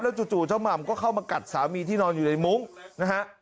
จู่เจ้าหม่ำก็เข้ามากัดสามีที่นอนอยู่ในมุ้งนะฮะ